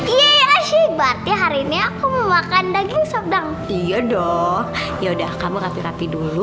iya iya berarti hari ini aku mau makan daging sop dang iya dong yaudah kamu rapi rapi dulu